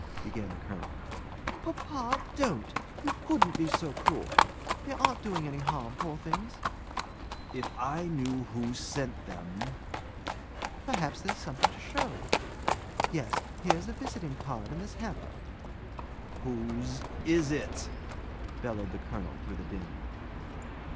began the colonel. "Papa, don't! You couldn't be so cruel! They aren't doing any harm, poor things!" "If I knew who sent them " "Perhaps there's something to show. Yes; here's a visiting card in this hamper." "Whose is it?" bellowed the colonel through the din.